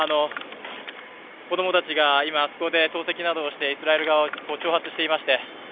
子供たちが今、あそこで投石などをしてイスラエル側を挑発していまして。